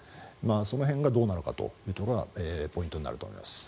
その辺がどうなのかがポイントになると思います。